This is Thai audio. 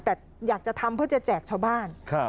แต่อยากจะทำเพื่อจะแจกชาวบ้าน